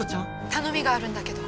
頼みがあるんだけど。